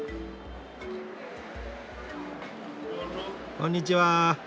こんにちは。